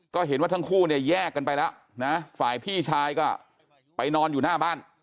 ก็เห็นว่าทั้งคู่เนี่ยแยกกันไปแล้วนะฝ่ายพี่ชายก็ไปนอนอยู่หน้าบ้าน